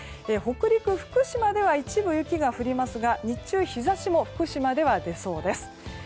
北陸・福島では一部雪が降りますが日中、日差しも福島では出そうです。